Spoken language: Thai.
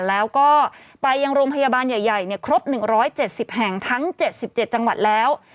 แล้วก็ไปยังโรงพยาบาลใหญ่ครบ๑๗๐แห่งทั้ง๗๗จังหวัดแล้ว